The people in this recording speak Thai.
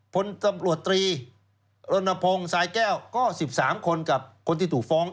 พลตำรวจตรีรณพงศ์สายแก้วก็๑๓คนกับคนที่ถูกฟ้อง